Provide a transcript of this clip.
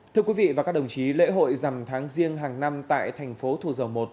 thưa quý vị và các đồng chí lễ hội dằm tháng riêng hàng năm tại thành phố thủ dầu một